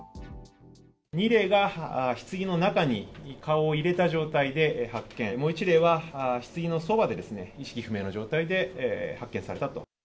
２例がひつぎの中に顔を入れた状態で発見、もう１例はひつぎのそばで意識不明の状態で発見されたと。